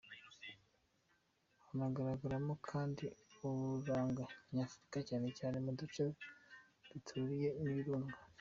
Hanagaragaramo kandi uburanga nyafurika cyane cyane mu duce duturiwe n’ibirunga.